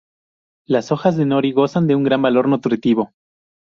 Las hojas de nori gozan de un gran valor nutritivo.